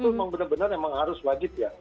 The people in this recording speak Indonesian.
itu memang benar benar memang harus wajib ya